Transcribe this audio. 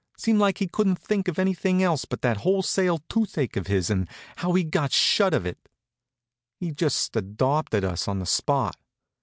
Seemed like he couldn't think of anything else but that wholesale toothache of his and how he'd got shut of it. He just adopted us on the spot.